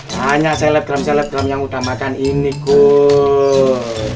banyak selebgram selebgram yang udah makan ini gul